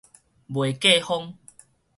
袂過風